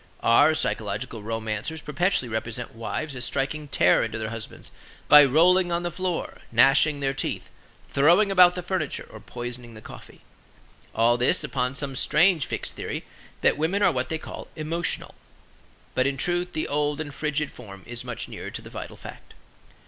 Our psychological romancers perpetually represent wives as striking terror into their husbands by rolling on the floor, gnashing their teeth, throwing about the furniture or poisoning the coffee; all this upon some strange fixed theory that women are what they call emotional. But in truth the old and frigid form is much nearer to the vital fact.